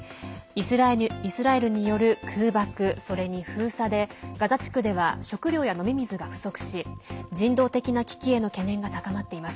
イスラエルによる空爆それに封鎖でガザ地区では食料や飲み水が不足し人道的な危機への懸念が高まっています。